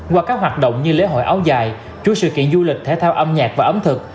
qua các hoạt động như lễ hội áo dài chuỗi sự kiện du lịch thể thao âm nhạc và ẩm thực